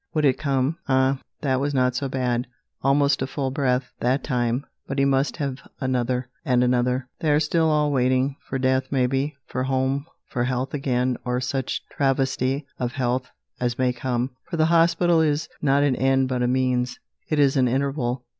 Would it come? Ah, that was not so bad. Almost a full breath that time. But he must have another, and another. They are all waiting; for death, maybe; for home; for health again, or such travesty of health as may come, for the hospital is not an end but a means. It is an interval.